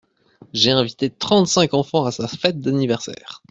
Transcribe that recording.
J’ai invité trente-cinq enfants à sa fête d’anniversaire.